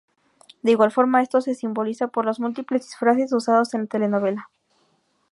De igual forma, esto se simboliza por los múltiples disfraces usados en la telenovela.